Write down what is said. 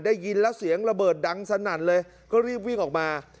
ได้ยินแล้วเสียงระเบิดดังสนั่นเลยก็รีบวิ่งออกมา